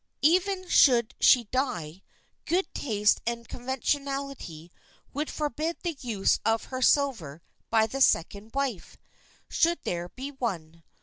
Even should she die, good taste and conventionality would forbid the use of her silver by the second wife,—should there be one.